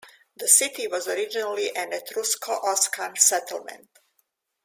The city was originally an Etrusco-Oscan settlement.